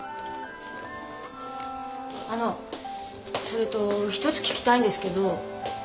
それと一つ聞きたいんですけど。